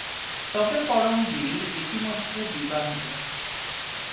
তবে পরমবীর ইতিমধ্যে বিবাহিত।